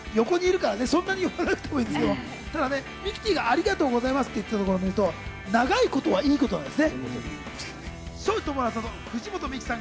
だからそんなに呼ばなくていいんですけど、ミキティーがありがとうございますと言ってたところを見ると、長いことはいいことですね。